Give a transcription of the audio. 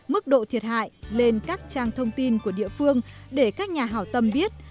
mức độ thiệt hại lên các trang thông tin của địa phương để các nhà hảo tâm biết